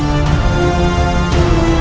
aku ikut denganmu